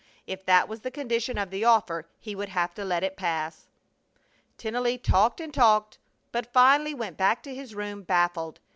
If that was the condition of the offer he would have to let it pass. Tennelly talked and talked, but finally went back to his room baffled.